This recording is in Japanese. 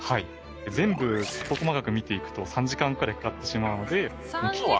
全部細かく見ていくと３時間くらいかかってしまうので今日は。